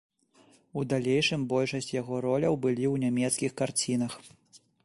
У далейшым большасць яго роляў былі ў нямецкіх карцінах.